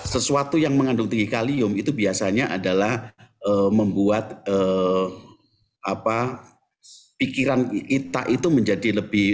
sesuatu yang mengandung tinggi kalium itu biasanya adalah membuat pikiran kita itu menjadi lebih